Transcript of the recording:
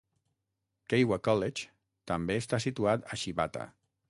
Keiwa College també està situat a Shibata.